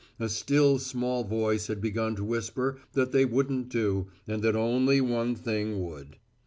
A still small voice had begun to whisper that they wouldn't do and that only one thing would.